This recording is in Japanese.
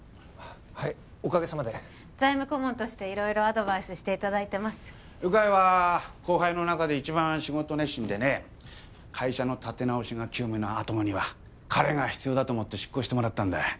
はいおかげさまで財務顧問として色々アドバイスしていただいてます鵜飼は後輩の中で一番仕事熱心でね会社の立て直しが急務なアトムには彼が必要だと思って出向してもらったんだ